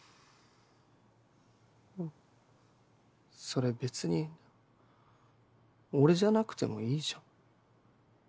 それ別に俺じゃなくてもいいじゃん。